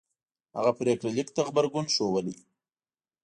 هغه پرېکړه لیک ته غبرګون ښودلی